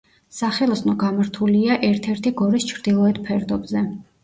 სახელოსნო გამართულია ერთ-ერთი გორის ჩრდილოეთ ფერდობზე.